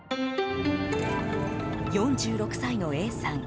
４６歳のＡさん。